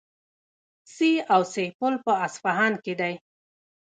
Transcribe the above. سي او سه پل په اصفهان کې دی.